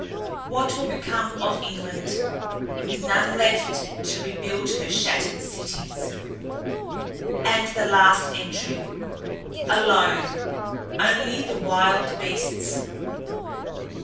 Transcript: What will become of England, with none left to rebuild her shattered cities!" And the last entry: "... alone. Only the wild beasts